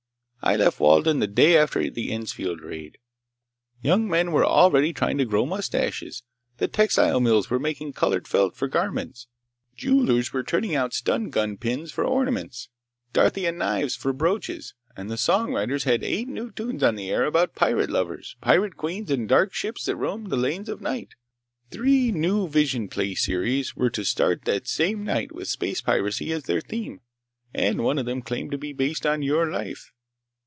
I left Walden the day after your Ensfield raid. Young men were already trying to grow mustaches. The textile mills were making colored felt for garments. Jewelers were turning out stun gun pins for ornaments, Darthian knives for brooches, and the song writers had eight new tunes on the air about pirate lovers, pirate queens, and dark ships that roam the lanes of night. Three new vision play series were to start that same night with space piracy as their theme, and one of them claimed to be based on your life.